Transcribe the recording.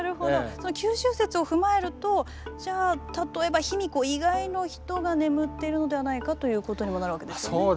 その九州説を踏まえるとじゃあ例えば卑弥呼以外の人が眠っているのではないかということにもなるわけですよね。